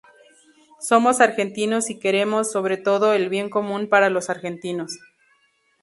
Somos argentinos y queremos, sobre todo, el bien común para los argentinos.